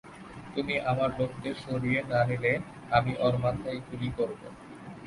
তুমি তোমার লোকেদের সরিয়ে না নিলে আমি ওর মাথায় গুলি করবো।